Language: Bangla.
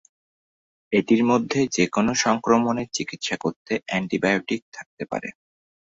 এটির মধ্যে যেকোন সংক্রমণের চিকিৎসা করতে অ্যান্টিবায়োটিক থাকতে পারে।